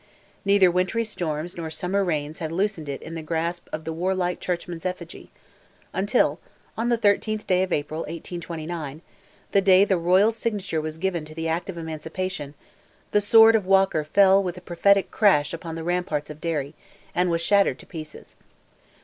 Neither wintry storms nor summer rains had loosened it in the grasp of the warlike churchman's effigy, until, on the 13th day of April, 1829—the day the royal signature was given to the Act of Emancipation—the sword of Walker fell with a prophetic crash upon the ramparts of Derry, and was shattered to pieces.